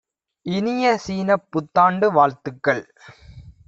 இனிய சீனப் புத்தாண்டு வாழ்த்துக்கள்!